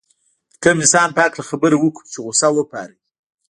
د کوم انسان په هکله خبره وکړو چې غوسه وپاروي.